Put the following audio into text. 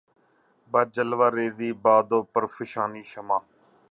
بہ جلوہ ریـزئ باد و بہ پرفشانیِ شمع